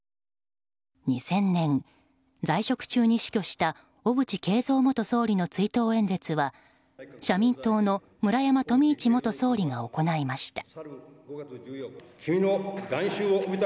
２０００年、在職中に死去した小渕恵三元総理の追悼演説は社民党の村山富市元総理が行いました。